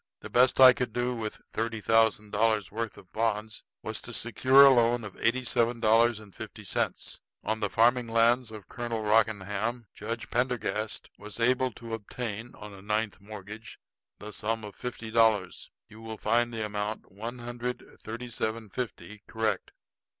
The best I could do with thirty thousand dollars' worth of the bonds was to secure a loan of eighty seven dollars and fifty cents. On the farming lands of Colonel Rockingham, Judge Pendergast was able to obtain, on a ninth mortgage, the sum of fifty dollars. You will find the amount, one hundred and thirty seven fifty, correct."